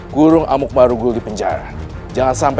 gurung amuk baru gul di penjaran